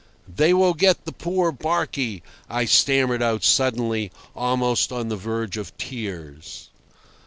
"They will get the poor barky," I stammered out suddenly, almost on the verge of tears.